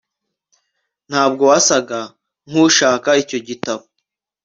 ntabwo wasaga nkushaka icyo gitabo